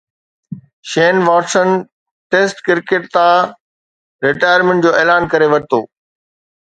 شين Watson Test cricket تان retirement جو اعلان ڪري ڇڏيو